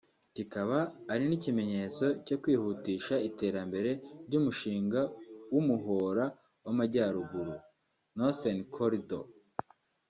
kikaba ari n’ikimenyetso cyo kwihutisha iterambere ry’umushinga w’umuhora w’Amajyaruguru (Northern Corridor)